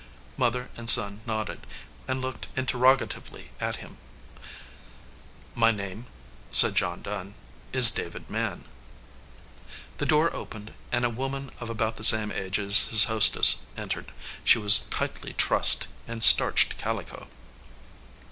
Mother and son nodded, and looked interroga tively at him. 292 "A RETREAT TO THE GOAL" "My name," said John Dunn, "is David Mann." The door opened, and a woman of about the same age as his hostess entered. She was tightly trussed in starched calico.